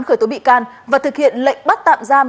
khởi tố bị can và thực hiện lệnh bắt tạm giam